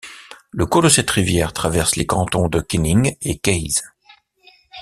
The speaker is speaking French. Le cours de cette rivière traverse les cantons de Kenning et Case.